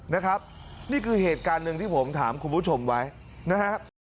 นะครับนี่คือเหตุการณ์หนึ่งที่ผมถามคุณผู้ชมไว้นะฮะ